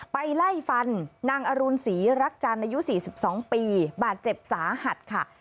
ไปไล่ฟันนางอรุณศรีรักจันทร์อายุ๔๒ปีบาดเจ็บสาหัสค่ะ